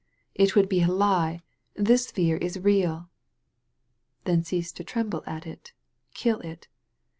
*'It would be a lie. This fear is real." "Then cease to tremble at it; kill it."